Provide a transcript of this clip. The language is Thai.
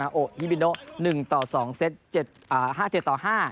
นาโอยิมิโน๑ต่อ๒เซต